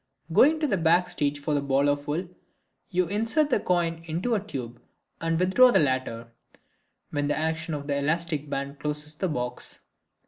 Going to the back of the stage for the ball of wool, you insert the coin into the tube and withdraw the latter, when the action of the elastic band closes the box.